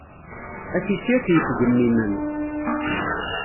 A tissirt yettgemimen.